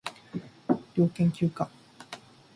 りょうりけんきゅうか